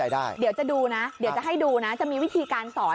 เดี๋ยวจะดูนะเดี๋ยวจะให้ดูนะจะมีวิธีการสอน